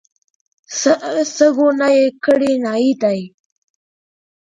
څه ګناه یې کړې، نایي دی.